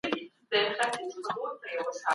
تاسو به د ښه راتلونکي هیله لرئ.